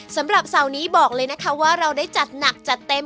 สำหรับเสาร์นี้บอกเลยนะคะว่าเราได้จัดหนักจัดเต็ม